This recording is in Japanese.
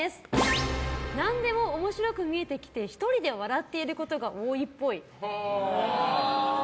何でも面白く見えてきて１人で笑っていることが多いっぽい。